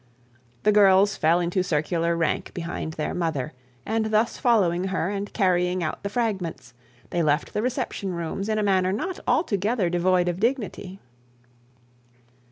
The girls fell into circular rank behind their mother, and thus following her and carrying out the fragments, they left the reception rooms in a manner not altogether devoid of dignity.